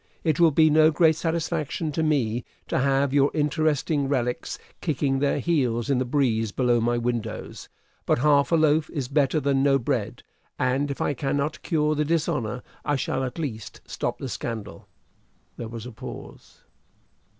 It will be no great satisfaction to me to have your interesting relics kicking their heels in the breeze below my windows; but half a loaf is better than no bread, and if I cannot cure the dishonor, I shall at least stop the scandal." There was a pause.